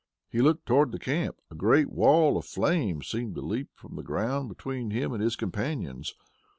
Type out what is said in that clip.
As he looked toward the camp a great wall of flame seemed to leap from the ground between him and his companions.